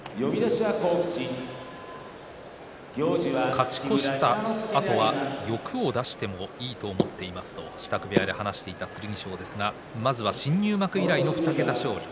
勝ち越したあとは欲を出してもいいと思っていますと支度部屋で話していた剣翔ですがまずは新入幕以来の２桁勝利。